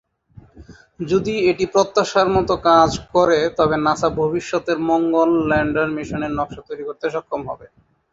যদি এটি প্রত্যাশার মতো কাজ করে তবে নাসা ভবিষ্যতের মঙ্গল ল্যান্ডার মিশনের নকশা তৈরি করতে সক্ষম হবে।